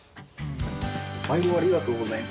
まいどありがとうございます。